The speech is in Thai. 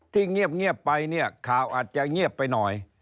ที่เงียบไปข่าวอาจจะเงียบไปหน่อย